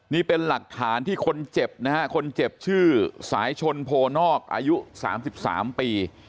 นี่เป็นหลักฐานที่คนเจ็บนะฮะคนเจ็บชื่อสายชนโพนอกอายุ๓๓ปี